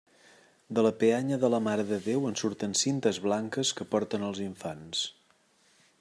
De la peanya de la Mare de Déu en surten cintes blanques que porten els infants.